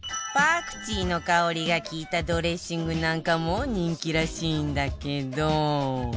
パクチーの香りが利いたドレッシングなんかも人気らしいんだけど